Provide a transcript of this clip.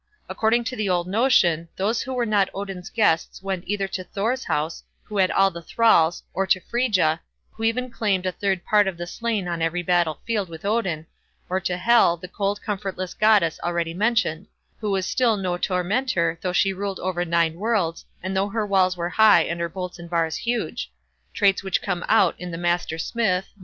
According to the old notion, those who were not Odin's guests went either to Thor's house, who had all the thralls, or to Freyja, who even claimed a third part of the slain on every battle field with Odin, or to Hel, the cold comfortless goddess already mentioned, who was still no tormentor, though she ruled over nine worlds, and though her walls were high, and her bolts and bars huge; traits which come out in "the Master Smith", No.